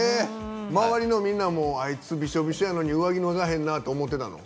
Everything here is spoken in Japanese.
周りのみんなもあいつびしょびしょなのに上着脱がへんなって思ってたの？